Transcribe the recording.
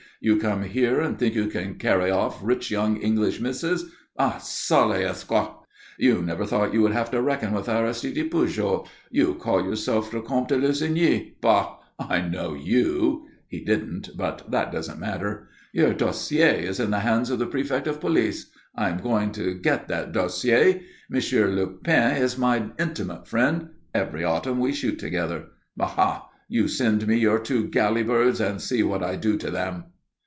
You come here and think you can carry off rich young English misses. Ah, sale escroc! You never thought you would have to reckon with Aristide Pujol. You call yourself the Comte de Lussigny. Bah! I know you " he didn't, but that doesn't matter "your dossier is in the hands of the prefect of Police. I am going to get that dossier. Monsieur Lepine is my intimate friend. Every autumn we shoot together. Aha! You send me your two galley birds and see what I do to them."